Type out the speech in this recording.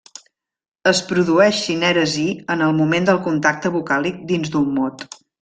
Es produeix sinèresi en el moment del contacte vocàlic dins d'un mot.